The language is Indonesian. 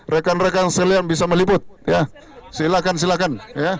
rekan rekan selian bisa meliput silahkan silahkan